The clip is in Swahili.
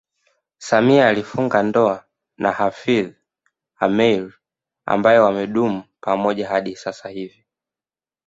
Samia alifunga ndoa na Hafidh Ameir ambaye wamedumu pamoja hadi sasa hivi